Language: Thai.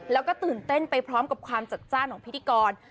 แล้วก็ตื่นเต้นไปพร้อมกับความจัดจ้านของพิธีกร